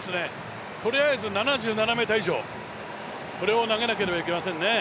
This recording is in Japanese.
とりあえず７７ｍ以上を投げなければいけませんね。